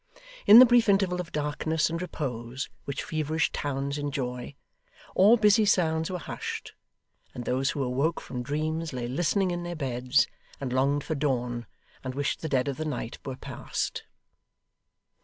In the brief interval of darkness and repose which feverish towns enjoy, all busy sounds were hushed; and those who awoke from dreams lay listening in their beds, and longed for dawn, and wished the dead of the night were past.